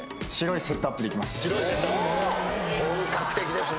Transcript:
・本格的ですね。